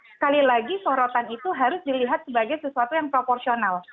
sekali lagi sorotan itu harus dilihat sebagai sesuatu yang proporsional